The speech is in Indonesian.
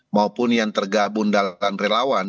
maupun yang tergabung dalam relawan